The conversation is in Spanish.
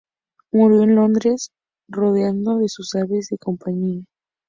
Murió en Londres, rodeado de sus aves de compañía.